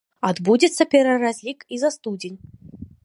Адбудзецца пераразлік і за студзень.